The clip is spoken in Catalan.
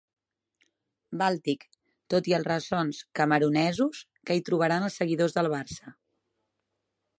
Bàltic, tot i els ressons camerunesos que hi trobaran els seguidors del Barça.